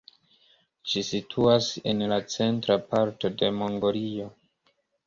Ĝi situas en la centra parto de Mongolio.